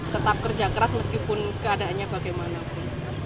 tetap kerja keras meskipun keadaannya bagaimanapun